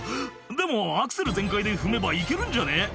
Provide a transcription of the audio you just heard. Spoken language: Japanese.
「でもアクセル全開で踏めば行けるんじゃね？」